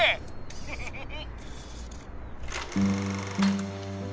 フフフフ。